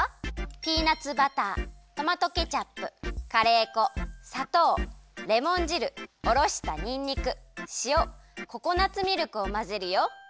ピーナツバタートマトケチャップカレー粉さとうレモン汁おろしたにんにくしおココナツミルクをまぜるよ。